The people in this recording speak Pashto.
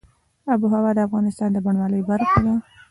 آب وهوا د افغانستان د بڼوالۍ برخه ده.